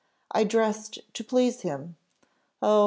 I dressed to please him oh!